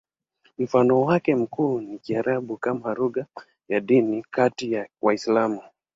Mfano wake mkuu ni Kiarabu kama lugha ya kidini kati ya Waislamu.